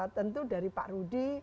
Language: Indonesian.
tentu dari pak rudy